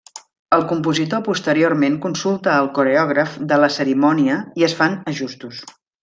El compositor posteriorment consulta al coreògraf de la cerimònia i es fan ajustos.